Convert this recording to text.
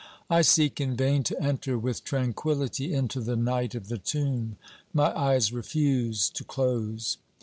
I seek in vain to enter with tranquillity into the night of the tomb ; my eyes refuse to close.